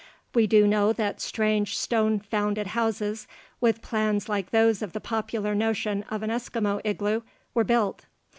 We do know that strange stone founded houses, with plans like those of the popular notion of an Eskimo igloo, were built.